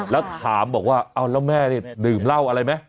แล้วถามบอกว่าเอาแล้วแม่นี่ดื่มเหล้าอะไรไหม